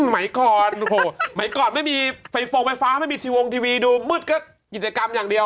มีก่อนโฮเหมือนก่อนไม่มีไฟโฟกไปฟ้าไม่มีทีวงทีวีดูมืดก็กินจัดกรรมอย่างเดียว